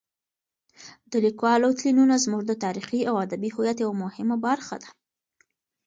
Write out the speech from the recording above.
د لیکوالو تلینونه زموږ د تاریخي او ادبي هویت یوه مهمه برخه ده.